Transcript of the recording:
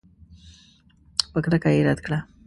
په کرکه یې رد کړه.